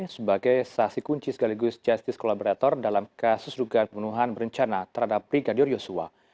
sebagai saksi kunci sekaligus justice collaborator dalam kasus dugaan pembunuhan berencana terhadap brigadir yosua